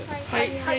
はい！